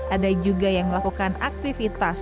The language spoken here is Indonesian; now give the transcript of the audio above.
ada juga yang melakukan aktivitas